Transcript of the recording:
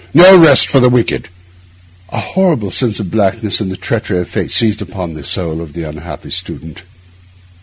No rest for the wicked.' A horrible sense of blackness and the treachery of fate seized hold upon the soul of the unhappy student.